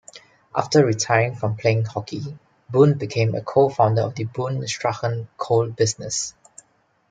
After retiring from playing hockey, Boon became a co-founder of the Boon-Strachan Coal business.